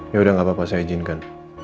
yaudah gak apa apa saya izinkan